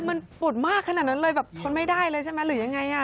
มันปวดมากขนาดนั้นเลยแบบทนไม่ได้เลยใช่ไหมหรือยังไงอ่ะ